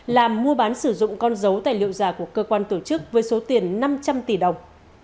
làm mua bán sử dụng con dấu tài liệu giả của cơ quan tổ chức với số tiền năm trăm linh tỷ đồng